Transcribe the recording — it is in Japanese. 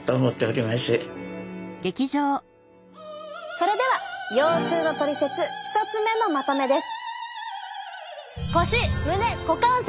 それでは腰痛のトリセツ１つ目のまとめです。